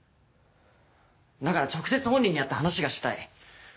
だから直接本人に会って話がしたい。